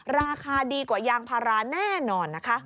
ราคาดีกว่ายางพาราแน่นอนนะคะ